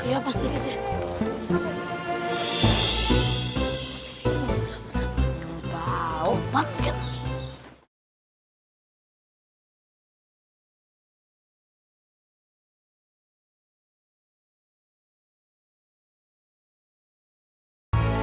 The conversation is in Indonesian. ya bapak sirkiti